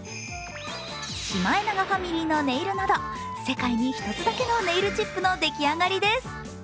シマエナガファミリーのネイルなど世界に一つだけのネイルチップの出来上がりです。